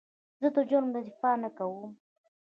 زه د جرم دفاع نه کوم.